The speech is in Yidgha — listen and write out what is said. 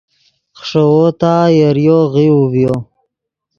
خݰوؤ تا یریو غیؤو ڤیو